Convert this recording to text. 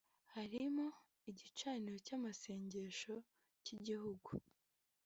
harimo Igicaniro cy’amasengesho cy’igihugu